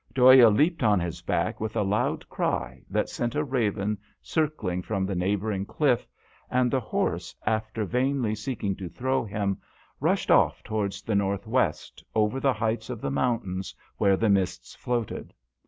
Dhoya leaped on his back with a loud cry that sent a raven circling from the neighbouring cliff, and the horse, after vainly seeking to throw him, rushed off IP 194 DHOYA. towards the north west, over the heights of the mountains where the mists floated.